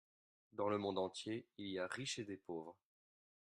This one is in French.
Dans le monde entier il y a riches et des pauvres.